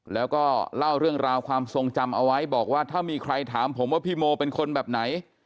แล้วก็เล่าเรื่องราวความทรงจำเอาไว้บอกว่าถ้ามีใครถามผมว่าพี่โมเป็นคนแบบไหน